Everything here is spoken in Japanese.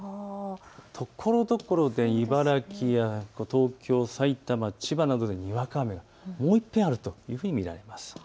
ところどころで茨城や東京、埼玉、千葉などでにわか雨、もう１回あるというふうに見られます。